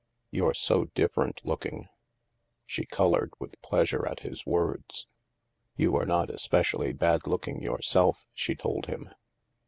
You're so different looking." ' She colored with pleasure at his words. " You are not especially bad looking yourself,'* she told him.